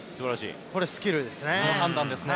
これスキルですね。